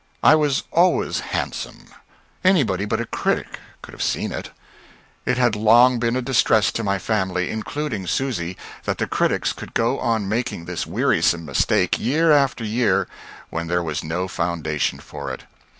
I was always handsome. Anybody but a critic could have seen it. And it had long been a distress to my family including Susy that the critics should go on making this wearisome mistake, year after year, when there was no foundation for it.